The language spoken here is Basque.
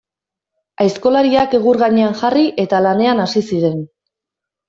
Aizkolariak egur gainean jarri, eta lanean hasi ziren.